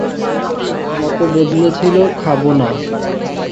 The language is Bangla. মত বদলেছি, খাব না।